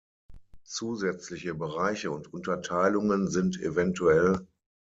Zusätzliche Bereiche und Unterteilungen sind evtl.